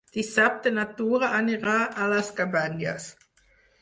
Dissabte na Tura anirà a les Cabanyes.